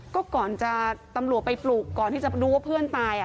ก็ก่อนจะตำรวจไปปลุกก่อนที่จะรู้ว่าเพื่อนตาย